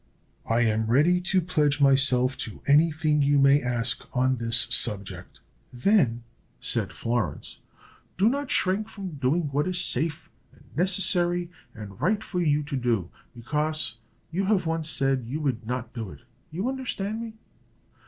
I am ready to pledge myself to any thing you may ask on this subject." "Then," said Florence, "do not shrink from doing what is safe, and necessary, and right for you to do, because you have once said you would not do it. You understand me."